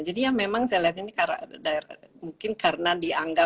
jadi ya memang saya lihat ini kata kata